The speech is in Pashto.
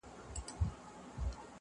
را معلوم به شیخه ستا هلته ایمان سي,